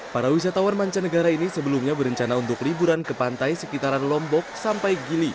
para wisatawan mancanegara ini sebelumnya berencana untuk liburan ke pantai sekitaran lombok sampai gili